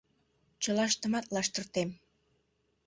Чылаштымат лаштыртем!